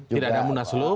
tidak ada munaslup